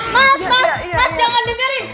mas jangan dengerin